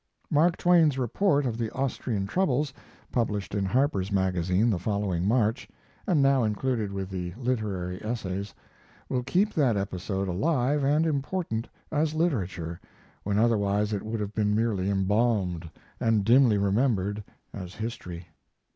Mark Twain's report of the Austrian troubles, published in Harper's Magazine the following March and now included with the Literary Essays, will keep that episode alive and important as literature when otherwise it would have been merely embalmed, and dimly remembered, as history.